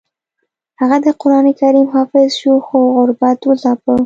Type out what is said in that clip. هغه د قران کریم حافظ شو خو غربت وځاپه